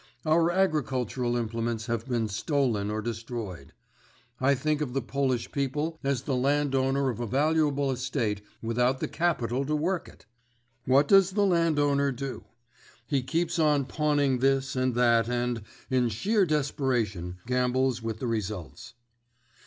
Our agricultural implements have been stolen or destroyed. I think of the Polish People as the landowner of a valuable estate without the capital to work it. What does the landowner do? He keeps on pawning this and that and, in sheer desperation, gambles with the results.